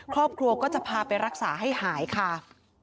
ครอบครัวก็จะพาไปรักษาให้หายค่ะ